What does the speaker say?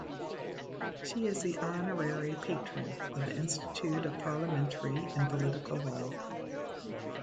She is the Honorary Patron of the Institute of Parliamentary and Political Law.